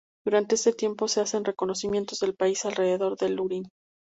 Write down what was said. Durante este tiempo se hacen reconocimientos del país alrededor de Lurín.